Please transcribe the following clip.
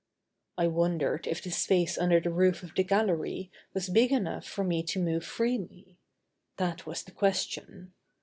I wondered if the space under the roof of the gallery was big enough for me to move freely. That was the question.